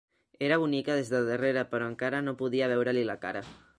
Era bonica des de darrere, però encara no podia veure-li la cara.